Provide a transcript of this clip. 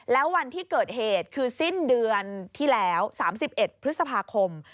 แล้ววันที่เกิดเหตุคือสิ้นเดือนที่แล้ว๓๑พฤษภาคม